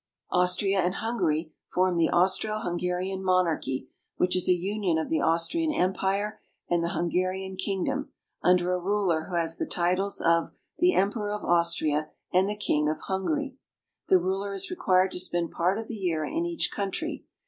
Austria and Hun gary form the Austro Hungarian monarchy, which is a union of the Aus trian empire and the Hungarian king dom, under a ruler who has the titles of the Emperor of Austria and the King of Hungary. The ruler is required to spend part of the year in each country.